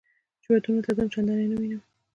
چې ودونو ته ځم چندان یې نه وینم.